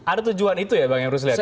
ada tujuan itu ya bang ebrus lihat ya